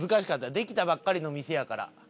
できたばっかりの店やから。